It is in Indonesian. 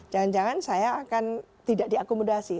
jangan jangan saya akan tidak diakomodasi